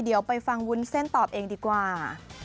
เดี๋ยวไปฟังวุ้นเส้นตอบเองดีกว่า